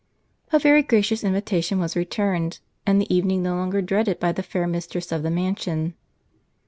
A very gracious invitation was returned, and the evening no longer dreaded by the fair mistress of the mansion.